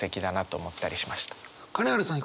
金原さん